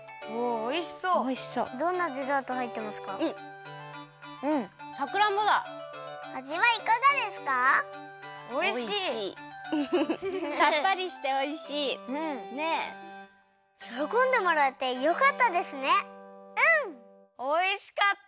おいしかった！